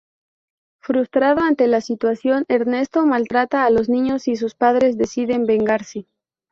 Frustrado ante la situación, Ernesto maltrata a los niños y sus padres deciden vengarse.